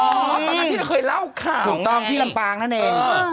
อ๋อตอนนั้นที่เคยเล่าข่าวไงนี่ถูกต้องที่ลำปางนั่นเอง